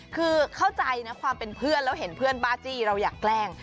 คือเข้าใจนะความเป็นเพื่อนแล้วเห็นเพื่อนบ้าจี้เราอยากแกล้ง